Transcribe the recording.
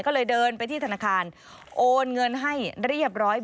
ก็เลยเดินไปที่ธนาคารโอนเงินให้เรียบร้อย